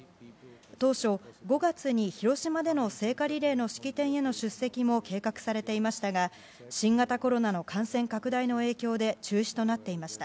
当初、５月に広島での聖火リレーの式典への出席も計画されていましたが新型コロナの感染拡大の影響で中止となっていました。